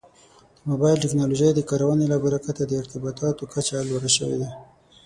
د موبایل ټکنالوژۍ د کارونې له برکته د ارتباطاتو کچه لوړه شوې ده.